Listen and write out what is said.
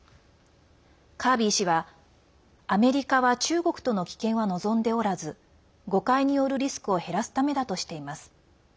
カービー氏は、アメリカは中国との危険は望んでおらず誤解によるリスクを減らすためだとしています。